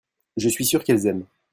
je suis sûr qu'elles aiment.